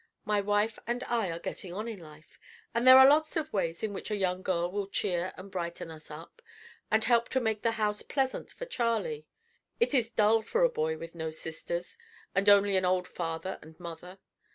My wife and I are getting on in life, and there are lots of ways in which a young girl will cheer and brighten us up, and help to make the house pleasant for Charley. It is dull for a boy with no sisters, and only an old father and mother.